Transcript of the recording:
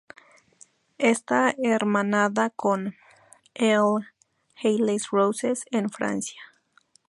Está hermanada con L'Haÿ-les-Roses, en Francia.